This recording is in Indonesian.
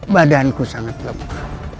badanku sangat lemah